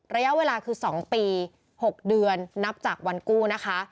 ระยะเวลาคือ๒ปี๖เดือนนับจากวันกู้นะคะ